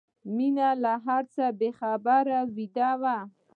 مينه له هر څه بې خبره ویده وه